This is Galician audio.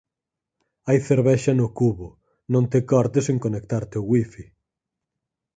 Hai cervexa no cubo. Non te cortes en conectarte ó wifi.